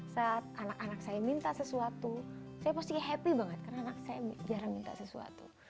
saat anak anak saya minta sesuatu saya pasti happy banget karena anak saya jarang minta sesuatu